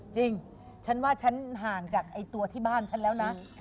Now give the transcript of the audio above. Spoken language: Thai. จริงฉันว่าฉันห่างจากตัวที่บ้านฉันแล้วนะ